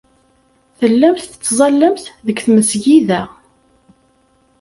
Tellamt tettẓallamt deg tmesgida.